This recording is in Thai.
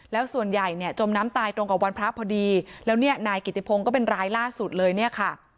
แล้วส่วนใหญ่จมน้ำตายตรงกับวันพระพอดีแล้วนายกิจิพงก็เป็นรายล่าสุดเลย